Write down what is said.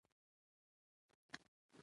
پـه ټـولـنـه کـې ونشـي زغـملـى .